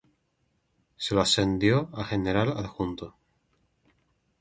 Se lo ascendió a general adjunto.